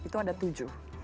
itu ada tujuh